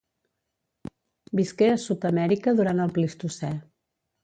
Visqué a Sud-amèrica durant el Plistocè.